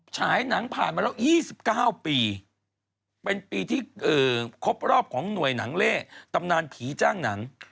ฉายหนังผ่านมาแล้ว๒๙ปีเป็นปีที่ครบรอบของหน่วยหนังเล่ตำนานผีจ้างหนัง